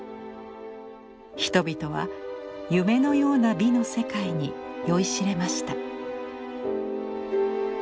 人々は夢のような美の世界に酔いしれました。